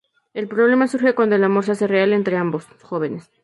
El problema surge cuando el amor se hace real entre ambos jóvenes.